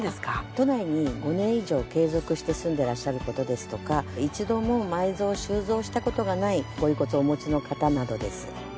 都内に５年以上継続して住んでらっしゃる事ですとか一度も埋蔵・収蔵した事がないご遺骨をお持ちの方などです。